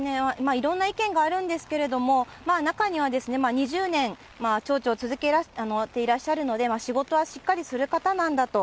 いろんな意見があるんですけれども、中にはですね、２０年町長を続けてらっしゃるので、仕事はしっかりする方なんだと。